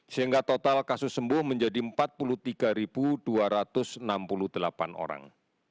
sehingga total kasus sembuh menjadi empat puluh tiga dua ratus enam puluh delapan orang